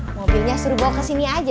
mobilnya suruh bawa kesini aja